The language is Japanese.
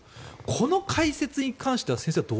この解説に関しては先生は。